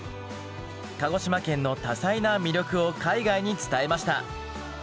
鹿児島県の多彩な魅力を海外に伝えました。